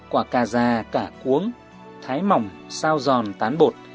quả cà giã cà cuống thái mỏng sao giòn tán bột